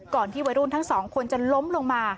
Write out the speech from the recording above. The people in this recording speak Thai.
ที่วัยรุ่นทั้งสองคนจะล้มลงมา